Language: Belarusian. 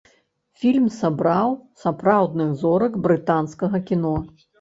Фільм сабраў сапраўдных зорак брытанскага кіно.